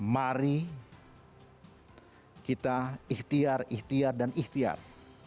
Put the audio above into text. mari kita ikhtiar ikhtiar dan ikhtiar